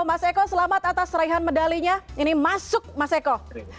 mas eko selamat atas raihan medalinya ini masuk mas eko